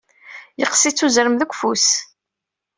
Yeqqes-itt uzrem deg ufus.